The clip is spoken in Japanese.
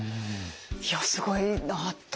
いやすごいなと。